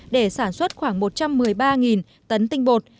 để sản xuất khoảng một trăm một mươi ba tấn tinh bột